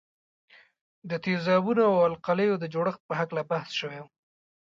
د تیزابونو او القلیو د جوړښت په هکله بحث شوی وو.